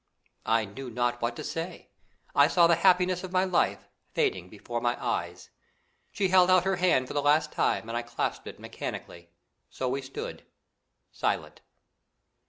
I knew not what to say; I saw the happiness of my life fading before my eyes. She held out her hand for the last time and I clasped it mechanically. So we stood, silent.